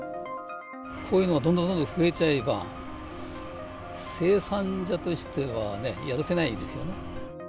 こういうのがどんどんどんどん増えちゃえば、生産者としてはね、やるせないんですよね。